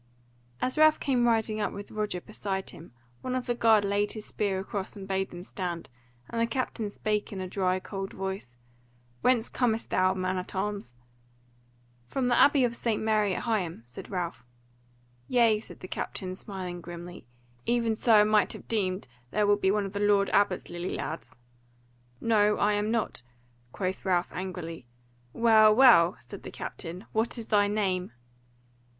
As Ralph came riding up with Roger beside him, one of the guard laid his spear across and bade them stand, and the captain spake in a dry cold voice: "Whence comest thou, man at arms?" "From the Abbey of St. Mary at Higham," said Ralph. "Yea," said the captain, smiling grimly, "even so I might have deemed: thou wilt be one of the Lord Abbot's lily lads." "No I am not," quoth Ralph angrily. "Well, well," said the captain, "what is thy name?"